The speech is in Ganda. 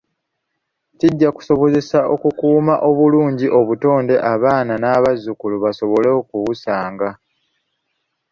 Kijja kusobozesa okukuuma obulungi obutonde abaana n’abazzukulu basobole okubusanga.